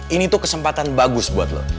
ini tuh kesempatan bagus buat lo